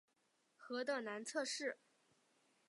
河的南侧是。